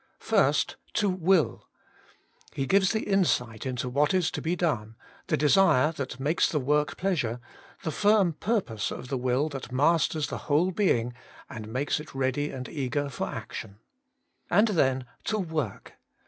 First, to zi'ill; He gives the insight into what is to be done, the desire that makes the work pleasure, the firm purpose of the will that masters the whole being, and makes it ready and eager for action. And then to zvork.